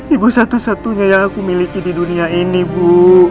ibu satu satunya yang aku miliki di dunia ini bu